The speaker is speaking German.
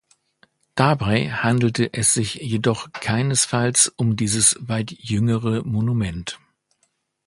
Dabei handelte es sich jedoch keinesfalls um dieses weit jüngere Monument.